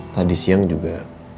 tadi siang juga